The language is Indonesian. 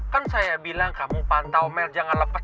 kan saya bilang kamu pantau mel jangan lepet lepet